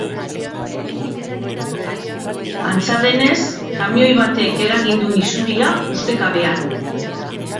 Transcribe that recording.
Antza denez, kamioi batek eragin du isuria, ustekabean.